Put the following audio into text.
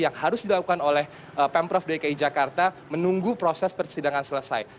yang harus dilakukan oleh pemprov dki jakarta menunggu proses persidangan selesai